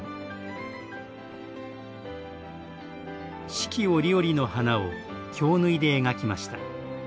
四季折々の花を京繍で描きました。